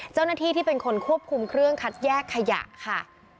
เจ้าหน้าที่ที่เป็นคนควบคุมเครื่องคัดแยกขยะค่ะ